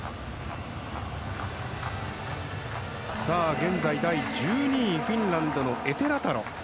現在、第１２位フィンランドのエテラタロ。